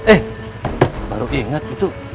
eh baru inget itu